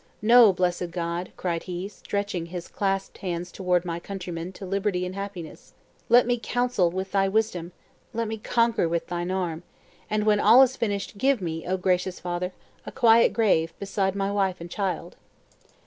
No, blessed God," cried he, stretching his clasped hands toward my countrymen to liberty and happiness! "Let me counsel with thy wisdom; let me conquer with thine arm! and when all is finished, give me, O gracious Father! a quiet grave, beside my wife and child."